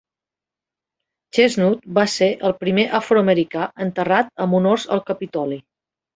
Chestnut va ser el primer afroamericà enterrat amb honors al Capitoli.